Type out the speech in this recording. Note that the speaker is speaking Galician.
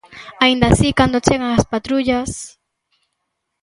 Aínda así cando chegan as patrullas...